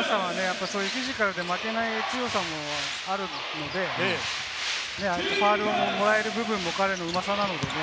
彼のよさはフィジカルで負けない強さもあるので、ファウルをもらえる部分も彼のうまさなのでね。